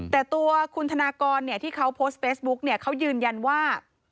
แต่ตัวคุณธนากรที่เขาโพสต์เฟซบุ๊กเนี่ยเขายืนยันว่า